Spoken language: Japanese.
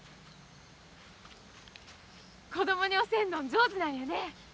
子供に教えんのん上手なんやね。